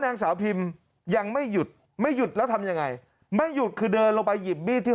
นางสาวพิมยังไม่หยุดไม่หยุดแล้วทำยังไงไม่หยุดคือเดินลงไปหยิบมีดที่